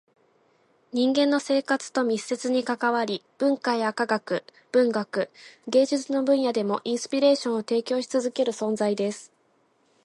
人間の生活と密接に関わり、文化や科学、文学、芸術の分野でもインスピレーションを提供し続ける存在です。